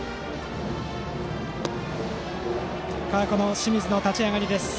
清水の立ち上がりです。